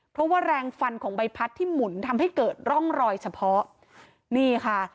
เพราะว่าแรงฟันของใบพัดที่หมุนทำให้เกิดร่องรอยเฉพาะนี่ค่ะ